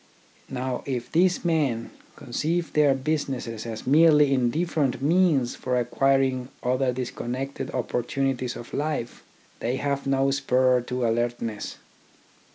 Now if these men conceive their businesses as merely indifferent means for acquir ing other disconnected opportunities of life, they have no spur to alertness.